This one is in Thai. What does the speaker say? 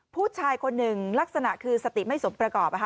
ผู้ชายคนหนึ่งลักษณะคือสติไม่สมประกอบ